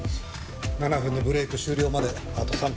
７分のブレーク終了まであと３分２０秒。